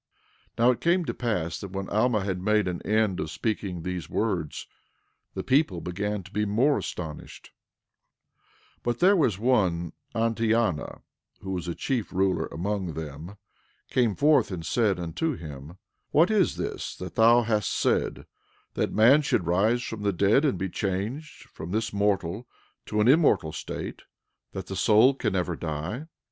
12:19 Now it came to pass that when Alma had made an end of speaking these words, the people began to be more astonished; 12:20 But there was one Antionah, who was a chief ruler among them, came forth and said unto him: What is this that thou hast said, that man should rise from the dead and be changed from this mortal to an immortal state that the soul can never die?